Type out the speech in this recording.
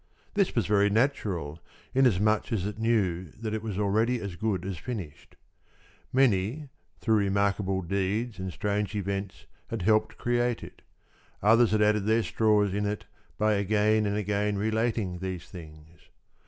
This was very natural, inasmuch as it knew that it was already as good as finished. Many, through remarkable deeds and strange events, had helped create it; others had added their straws in it by again and again relating these things.